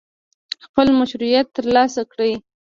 خپل مشروعیت ترلاسه کړي.